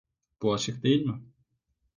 Bu açık değil mi?